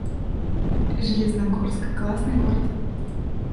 Железногорск — классный город